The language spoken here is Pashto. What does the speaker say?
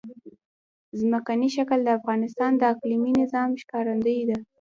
ځمکنی شکل د افغانستان د اقلیمي نظام ښکارندوی ده.